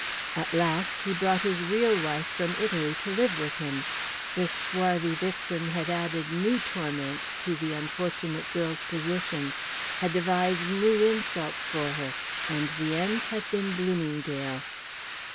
At last, he brought his real wife from Italy to live with him. This swarthy vixen had added new torments to the unfortunate girl's position, had devised new insults for her, and the end had been Bloomingdale.